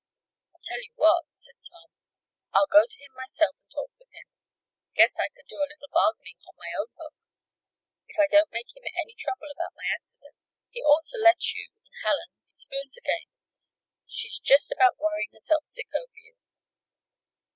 "I tell you what," said Tom. "I'll go to him myself and talk with him. Guess I can do a little bargaining on my own hook. If I don't make him any trouble about my accident, he ought to let you and Helen be spoons again. She's just about worrying herself sick over you."